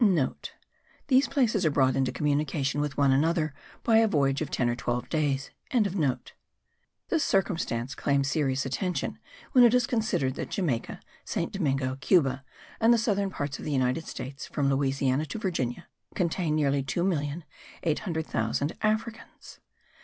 *(* These places are brought into communication one with another by a voyage of ten or twelve days.) This circumstance claims serious attention when it is considered that Jamaica, St. Domingo, Cuba and the southern parts of the United States (from Louisiana to Virginia) contain nearly two million eight hundred thousand Africans.